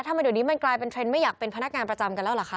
ทำไมเดี๋ยวนี้มันกลายเป็นเทรนด์ไม่อยากเป็นพนักงานประจำกันแล้วเหรอคะ